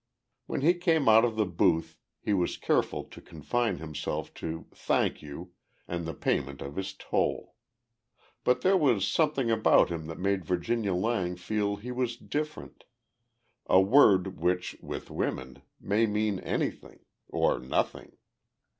When he came out of the booth he was careful to confine himself to "Thank you" and the payment of his toll. But there was something about him that made Virginia Lang feel he was "different" a word which, with women, may mean anything or nothing.